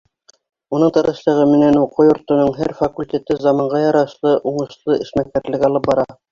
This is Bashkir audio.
Уның тырышлығы менән уҡыу йортоноң һәр факультеты заманға ярашлы уңышлы эшмәкәрлек алып бара.